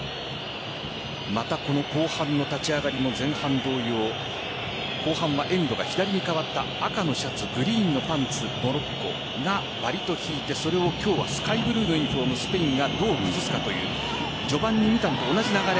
また、後半の立ち上がりも前半同様後半はエンドが左に変わった赤のシャツ、グリーンのパンツモロッコが割と引いてそれを今日はスカイブルーのユニホームスペインがどう崩すかという序盤に見たのと同じ流れ